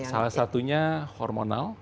salah satunya hormonal